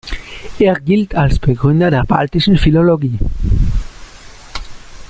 Er gilt als Begründer der baltischen Philologie.